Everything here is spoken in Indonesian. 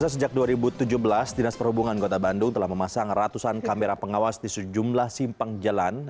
sejak dua ribu tujuh belas dinas perhubungan kota bandung telah memasang ratusan kamera pengawas di sejumlah simpang jalan